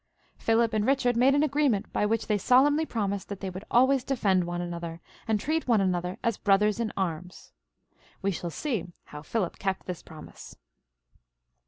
Philip and Bichard made an agree ment by which they solemnly promised that they would always defend one another, and treat one another as brothers in arms. We shall see how Philip kept this promise.